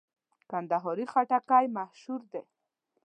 کندهاري خټکی مشهور دی.